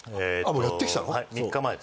もうやってきたの？